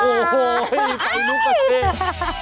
ไฟลุคแบบเต้น